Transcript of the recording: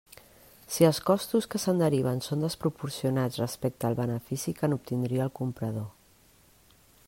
Si els costos que se'n deriven són desproporcionats respecte al benefici que n'obtindria el comprador.